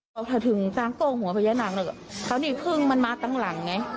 พอถึงตั้งโกรธหัวพยานัง